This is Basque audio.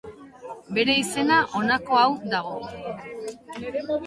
Bere izena, honako hauetan dago.